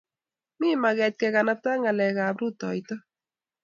Mi maget kekanapta ngalekap rutoito